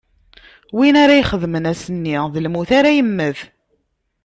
Win ara ixedmen ass-nni, d lmut ara yemmet.